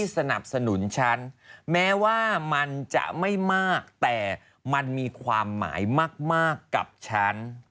สนับสนุนฉันแม้ว่ามันจะไม่มากแต่มันมีความหมายมากกับฉัน